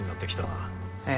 ええ。